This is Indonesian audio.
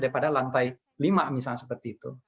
daripada lantai lima misalnya seperti itu